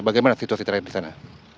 bagaimana situasi terakhir disana